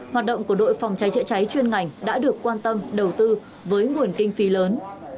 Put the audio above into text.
hoạt động của đội phòng trái trịa trái chuyên ngành đã được quan tâm đầu tư với nguồn kinh phí lớn